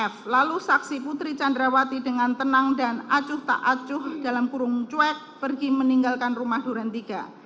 f lalu saksi putri candrawati dengan tenang dan acuh tak acuh dalam kurung cuek pergi meninggalkan rumah duran iii